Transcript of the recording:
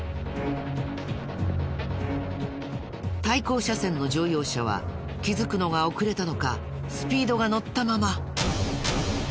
対向車線の乗用車は気づくのが遅れたのかスピードが乗ったまま。